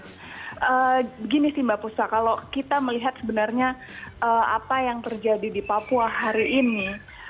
begini sih mbak puspa kalau kita melihat sebenarnya apa yang terjadi di papua hari ini